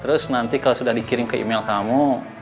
terus nanti kalau sudah dikirim ke email kamu